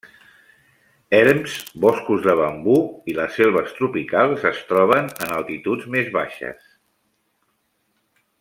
Erms, boscos de bambú i les selves tropicals es troben en altituds més baixes.